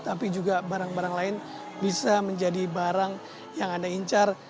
tapi juga barang barang lain bisa menjadi barang yang anda incar